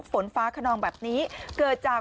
พี่ทำยังไงฮะ